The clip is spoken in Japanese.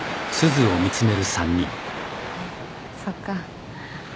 そっか。